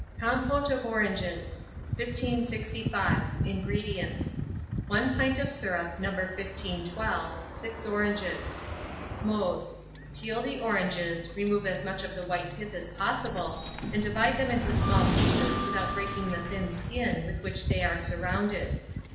COMPOTE OF ORANGES. 1565. INGREDIENTS. 1 pint of syrup No. 1512, 6 oranges. Mode. Peel the oranges, remove as much of the white pith as possible, and divide them into small pieces without breaking the thin skin with which they are surrounded.